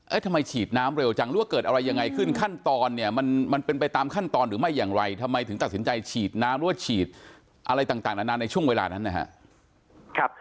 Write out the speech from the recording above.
ทำไมฉีดน้ำเร็วจังหรือว่าเกิดอะไรยังไงขึ้นขั้นตอนเนี่ยมันมันเป็นไปตามขั้นตอนหรือไม่อย่างไรทำไมถึงตัดสินใจฉีดน้ำหรือว่าฉีดอะไรต่างนานในช่วงเวลานั้นนะครับ